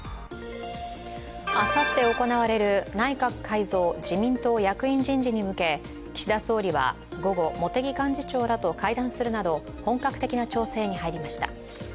あさって行われる内閣改造・自民党役員人事に向け、岸田総理は午後、茂木幹事長らと会談するなど本格的な調整に入りました。